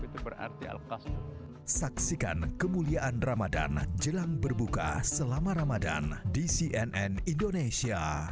itu berarti alpa saksikan kemuliaan ramadhan jelang berbuka selama ramadan di cnn indonesia